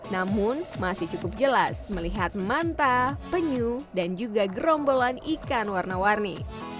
namun masih cukup jelas melihat manta penyu dan juga gerombolan ikan warna warni